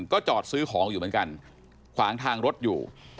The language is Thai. ก็จอดซื้อของอยู่เหมือนกันขวางทางรถอยู่